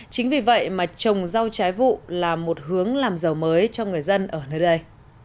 chính vì vậy mà trồng rau trái vụ là một hướng làm giàu mới cho người dân ở nơi đây